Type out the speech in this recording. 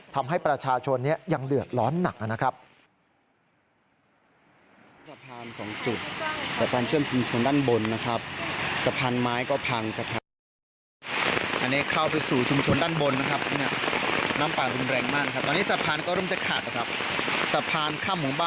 ทำให้ประชาชนยังเดือดร้อนหนักนะครับ